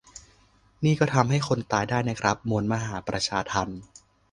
นี่ก็ทำให้คนตายได้นะครับ มวลมหาประชาทัณฑ์